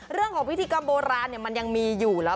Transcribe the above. เรื่องของพิธีกรรมโบราณมันยังมีอยู่แล้ว